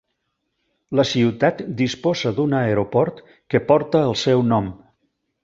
La ciutat disposa d'un aeroport que porta el seu nom.